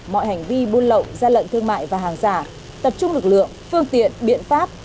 mọi hành vi buôn lậu gian lận thương mại và hàng giả tập trung lực lượng phương tiện biện pháp